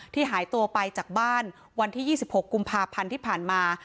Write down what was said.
หายตัวไปจากบ้านวันที่๒๖กุมภาพันธ์ที่ผ่านมา